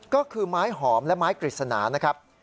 ก็คือไม้หอมและไม้กฤษณานะครับ